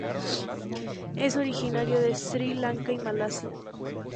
Es originario de Sri Lanka y Malasia.